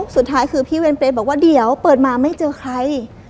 สุดท้ายคือพี่เวนเปรย์บอกว่าเดี๋ยวเปิดมาไม่เจอใคร